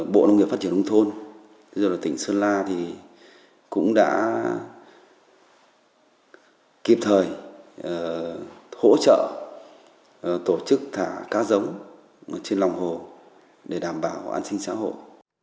bộ nông nghiệp phát triển nông thôn tỉnh sơn la thì cũng đã kịp thời hỗ trợ tổ chức thả cá giống trên lòng hồ để đảm bảo an sinh xã hội